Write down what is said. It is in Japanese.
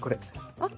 あっ。